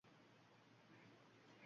darsdan boshqa narsalarga chalg'imasdi.